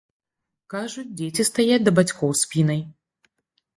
Кажуць, дзеці стаяць да бацькоў спінай.